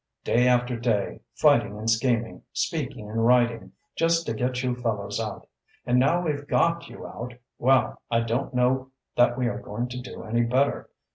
Day after day, fighting and scheming, speaking and writing, just to get you fellows out. And now we've got you out, well, I don't know that we are going to do any better.